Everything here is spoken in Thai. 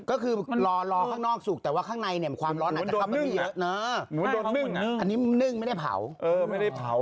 ก็คือมันรอรอข้างนอกสุกแต่ว่าข้างในเนี่ยมันความร้อนอาจจะเข้าไปเยอะอ่า